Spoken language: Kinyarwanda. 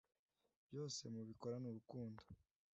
byose mubikorane urukundo